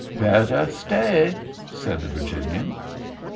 " Better stay," said the Virginian.